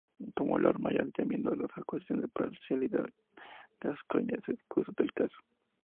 Como Lord Mayor, y temiendo las acusaciones de parcialidad, Gascoyne se excusó del caso.